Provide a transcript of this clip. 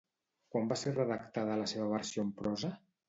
Quan va ser redactada la seva versió en prosa?